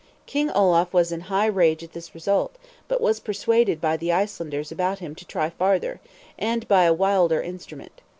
King Olaf was in high rage at this result; but was persuaded by the Icelanders about him to try farther, and by a wilder instrument.